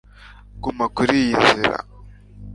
Guma kuriyi nzira